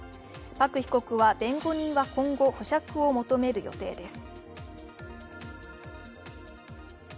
パク被告の弁護人は今後、保釈を求める予定です。